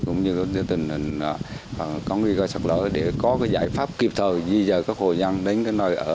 cũng như tình hình có nguy cơ sạt lở để có giải phóng